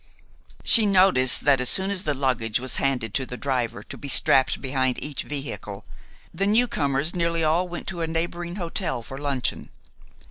She noticed that as soon as the luggage was handed to the driver to be strapped behind each vehicle, the newcomers nearly all went to a neighboring hotel for luncheon.